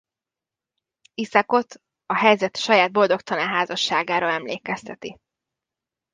Isakot a helyzet a saját boldogtalan házasságára emlékezteti.